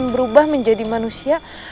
jangan lupa like share dan subscribe kan roy